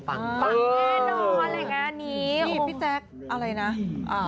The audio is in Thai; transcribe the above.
พี่จ๊ะอะไรนะ